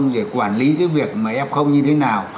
để quản lý cái việc mà f như thế nào